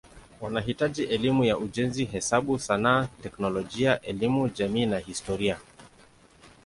Wanahitaji elimu ya ujenzi, hesabu, sanaa, teknolojia, elimu jamii na historia.